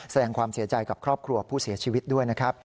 แสดงความเสียใจกับครอบครัวผู้เสียชีวิตด้วยนะครับ